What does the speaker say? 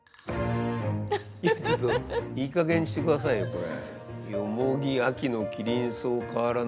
いやちょっといいかげんにしてくださいよこれ。